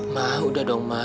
ma udah dong ma